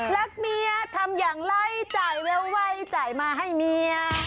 รักเมียทำอย่างไรจ่ายแววจ่ายมาให้เมีย